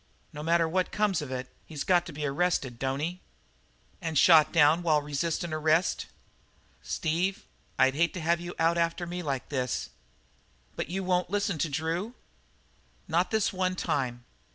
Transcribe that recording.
No matter what comes of it, he's got to be arrested, don't he?" "And shot down while 'resistin' arrest'? Steve, I'd hate to have you out for me like this." "But you won't listen to Drew?" "Not this one time.